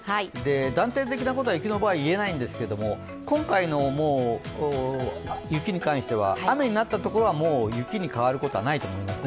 断定的なことは、雪の場合言えないんですが今回の雪に関しては雨になった所はもう雪に変わることはないと思いますね。